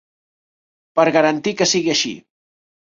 Per garantir que sigui així.